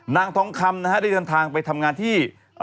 นางทองคำนะฮะได้เดินทางไปทำงานที่